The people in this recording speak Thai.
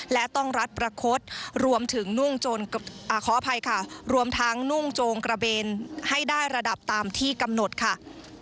และต้องรัดประคดรวมถึงนุ่งโจงกระเบนให้ได้ระดับตามที่กำหนดค่า